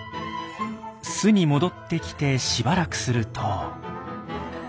巣に戻ってきてしばらくすると。